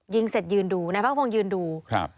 ยิงเสร็จยืนดูนายพักกระโพงยืนดู